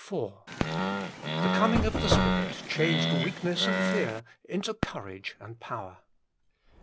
IV The coming of the Spirit changed weakness and fear into courage and power.